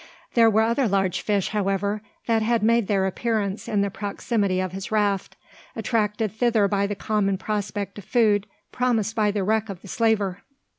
There were other large fish, however, that had made their appearance in the proximity of his raft, attracted thither by the common prospect of food promised by the wreck of the slaver.